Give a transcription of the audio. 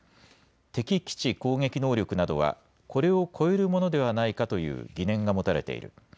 敵基地攻撃能力などは、これを超えるものではないかという疑念が持たれている。